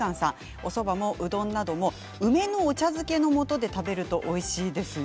おそばも、うどんなども梅のお茶漬けのもとで食べるとおいしいですよ。